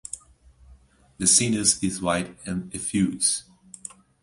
The sinus is wide and effuse.